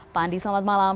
pak andi selamat malam